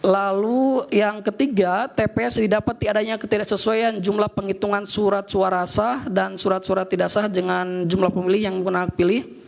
lalu yang ketiga tps didapati adanya ketidaksesuaian jumlah penghitungan surat suara sah dan surat surat tidak sah dengan jumlah pemilih yang menggunakan hak pilih